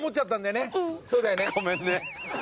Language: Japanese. そうだよね。